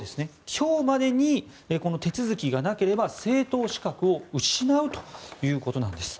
今日までにこの手続きがなければ政党資格を失うということなんです。